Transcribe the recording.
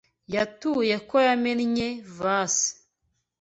Yatuye ko yamennye vase.